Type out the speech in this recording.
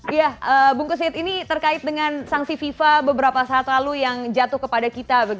iya bung kusit ini terkait dengan sanksi fifa beberapa saat lalu yang jatuh kepada kita